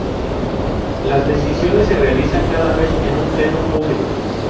Las decisiones se realizan cada mes en un pleno público.